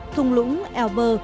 thùng lũng eo bơ